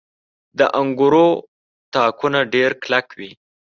• د انګورو تاکونه ډېر کلک وي.